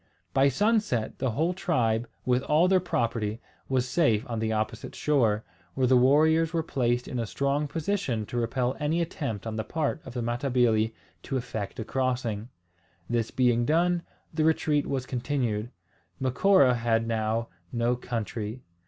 By sunset the whole tribe, with all their property, was safe on the opposite shore, where the warriors were placed in a strong position to repel any attempt on the part of the Matabili to effect a crossing. This being done, the retreat was continued. Macora had now no country.